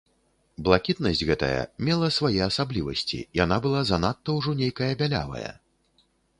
Блакітнасць гэтая мела свае асаблівасці, яна была занадта ўжо нейкая бялявая.